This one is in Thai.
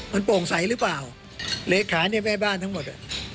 มันโปร่งใสหรือเปล่าเลขาเนี่ยแม่บ้านทั้งหมด